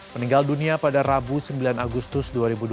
meninggal dunia pada rabu sembilan agustus dua ribu dua puluh